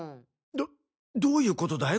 どどういうことだい？